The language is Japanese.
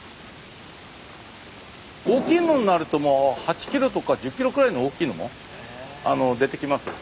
大きいものになるともう８キロとか１０キロくらいの大きいのも出てきます。